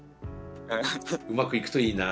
うまくいくといいな。